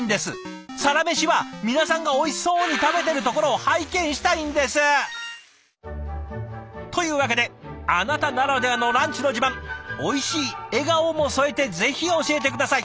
「サラメシ」は皆さんがおいしそうに食べてるところを拝見したいんです！というわけであなたならではのランチの自慢おいしい笑顔も添えてぜひ教えて下さい。